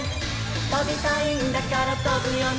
「とびたいんだからとぶよね」